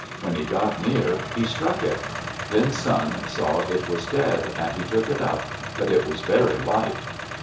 When he got near, he struck it. Then Sun saw it was dead, and he took it up, but it was very light.